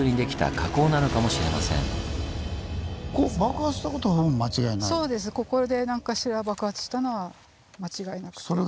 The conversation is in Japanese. ここで何かしら爆発したのは間違いなくて。